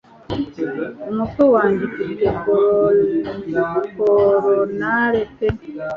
Umutwe wanjye ufite coronale pe